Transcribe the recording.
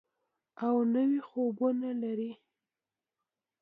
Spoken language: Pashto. او نوي خوبونه لري.